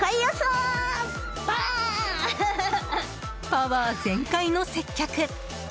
パワー全開の接客！